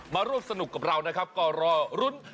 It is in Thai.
มาร่วมสนุกกับเรานะครับก็รอรุ้น